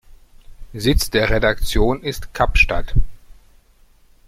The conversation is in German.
Sitz der Redaktion ist Kapstadt.